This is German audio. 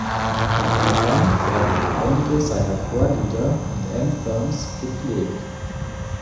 In England werden noch einige seiner Chorlieder und Anthems gepflegt.